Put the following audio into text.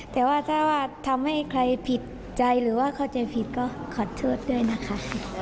แต่ว่าถ้าว่าทำให้ใครผิดใจหรือว่าเข้าใจผิดก็ขอโทษด้วยนะคะ